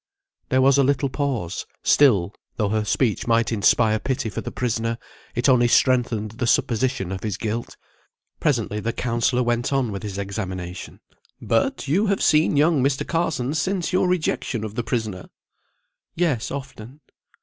There was a little pause; still, though her speech might inspire pity for the prisoner, it only strengthened the supposition of his guilt. Presently the counsellor went on with his examination. "But you have seen young Mr. Carson since your rejection of the prisoner?" "Yes, often."